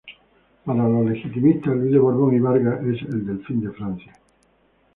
Para los legitimistas, Luis de Borbón y Vargas es el delfín de Francia.